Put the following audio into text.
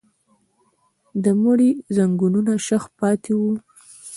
د مړي ځنګنونه شخ پاتې وو.